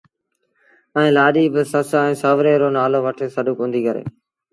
ائيٚݩ لآڏيٚ بآ سس ائيٚݩ سُوري رو نآلو وٺي سڏ ڪونديٚ ڪري